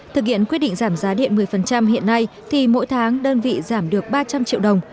thực hiện quyết định giảm giá điện một mươi hiện nay thì mỗi tháng đơn vị giảm được ba trăm linh triệu đồng